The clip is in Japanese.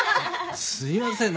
すいません。